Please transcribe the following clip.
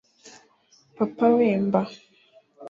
Papa Wemba